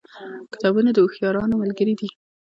کتابونه د هوښیارانو ملګري دي.